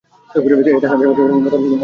এতে হানাফী মাযহাবের মতামতসমূহ আলোচিত হয়েছে।